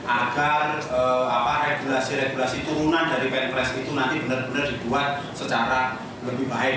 agar regulasi regulasi turunan dari pn pres itu nanti benar benar dibuat secara lebih baik